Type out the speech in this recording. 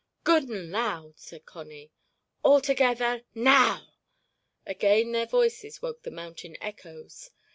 "Good and loud," said Connie. "All together—now!" Again their voices woke the mountain echoes.